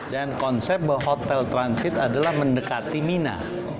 dan konsep hotel transit adalah mendekati mina